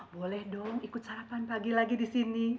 boleh dong ikut sarapan pagi lagi disini